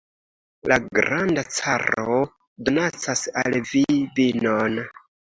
La granda caro donacas al vi vinon!